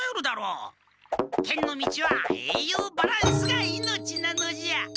剣の道はえいようバランスが命なのじゃ！